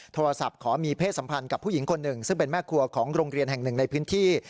โทรศัพท์ขอมีเพศสัมพันธ์กับผู้หญิงคนหนึ่งซึ่งเป็นแม่ครัวของโรงเรียนแห่งหนึ่งในพื้นที่